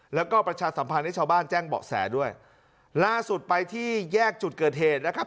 แล้วก็ประชาสัมพันธ์ให้ชาวบ้านแจ้งเบาะแสด้วยล่าสุดไปที่แยกจุดเกิดเหตุนะครับ